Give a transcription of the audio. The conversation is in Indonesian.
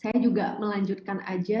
saya juga melanjutkan aja